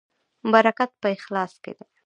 برکت په اخلاص کې دی